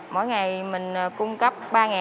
mỗi ngày mình cung cấp